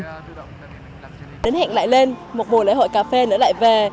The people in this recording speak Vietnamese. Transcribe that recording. đến hẹn lại lên một mùa lễ hội cà phê nữa lại về